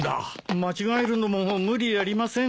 間違えるのも無理ありません。